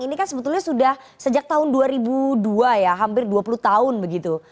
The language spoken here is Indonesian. ini kan sebetulnya sudah sejak tahun dua ribu dua ya hampir dua puluh tahun begitu